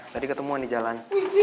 tadi ketemuan di jalan